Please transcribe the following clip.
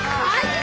はい。